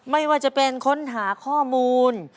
ไม่ว่าจะเป็นค้นหาข้อมูล